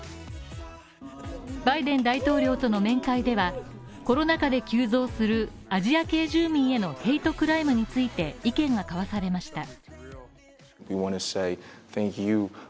バイデン大統領との面会では、コロナ禍で急増するアジア系住民へのヘイトクライムについて意見が交わされました。